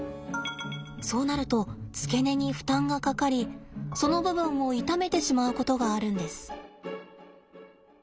そうなると付け根に負担がかかりその部分を痛めてしまうことがあるんです。